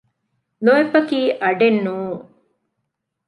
ލޯތްބަކީ އަޑެއް ނޫން